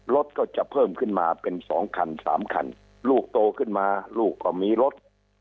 รถก็จะเพิ่มขึ้นมาเป็นสองคันสามคันลูกโตขึ้นมาลูกก็มีรถ